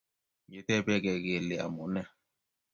Ngetebekei kele amune